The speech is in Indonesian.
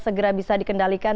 segera bisa dikendalikan